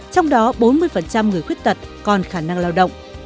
trong đó bốn mươi người khuyết tật còn khả năng lao động